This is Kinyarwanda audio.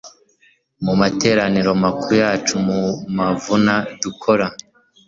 mu materaniro makuru yacu mu mavuna dukora